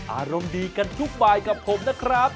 อารมณ์ดีกันทุกบายกับผมนะครับ